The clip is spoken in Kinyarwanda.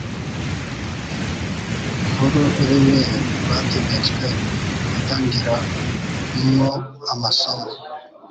nk'iuruirimi rwategetswe gutangiramwo amasomo